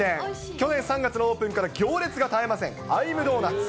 去年３月のオープンから行列が絶えません、アイムドーナツ。